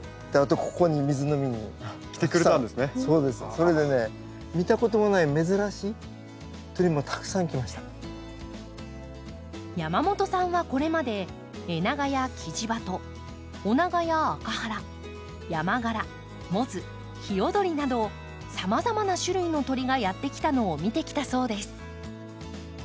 それでね見たこともない山本さんはこれまでエナガやキジバトオナガやアカハラヤマガラモズヒヨドリなどさまざまな種類の鳥がやって来たのを見てきたそうです。